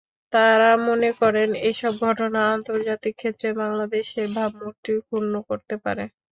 তাঁরা মনে করেন, এসব ঘটনা আন্তর্জাতিক ক্ষেত্রে বাংলাদেশের ভাবমূর্তি ক্ষুণ্ন করতে পারে।